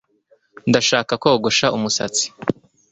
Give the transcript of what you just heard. Ndashaka kogosha umusatsi